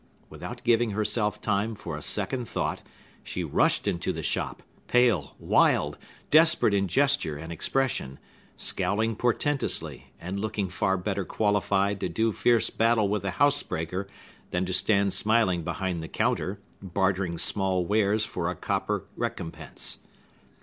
Without giving herself time for a second thought, she rushed into the shop, pale, wild, desperate in gesture and expression, scowling portentously, and looking far better qualified to do fierce battle with a housebreaker than to stand smiling behind the counter, bartering small wares for a copper recompense.